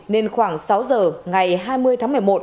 nên khoảng sáu giờ ngày hai mươi tháng một mươi một